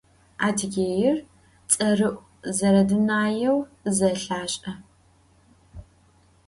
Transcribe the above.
Adıgêir ts'erı'u, zeredunaêu zelhaş'e.